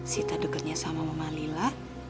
sita deketnya sama mama lila